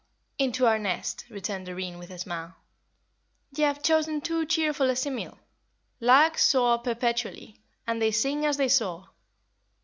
"Into our nest," returned Doreen, with a smile. "You have chosen too cheerful a simile. Larks soar perpetually, and they sing as they soar."